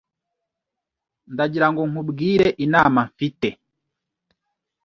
Ndagira ngo nkubwire inama mfite